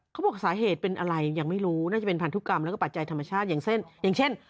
เขาบอกสาเหตุเป็นอะไรยังไม่รู้น่าจะเป็นพันธุกรรมแล้วก็ปัจจัยธรรมชาติอย่างเช่นอย่างเช่น